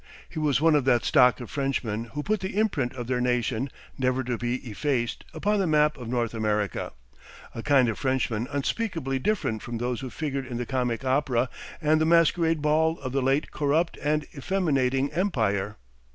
He was one of that stock of Frenchmen who put the imprint of their nation, never to be effaced, upon the map of North America a kind of Frenchman unspeakably different from those who figured in the comic opera and the masquerade ball of the late corrupt and effeminating empire.